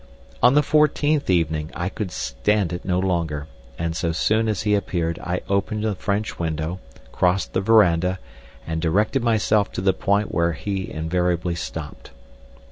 On the fourteenth evening I could stand it no longer, and so soon as he appeared I opened the french window, crossed the verandah, and directed myself to the point where he invariably stopped.